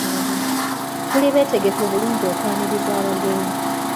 Tuli betegefu bulungi okwaniriza abagenyi.